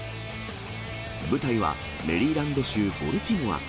舞台は、メリーランド州ボルティモア。